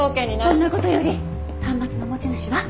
そんな事より端末の持ち主は？